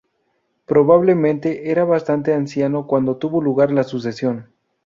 Probablemente, era bastante anciano cuando tuvo lugar la sucesión.